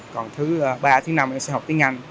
còn thứ ba thứ năm em sẽ học tiếng anh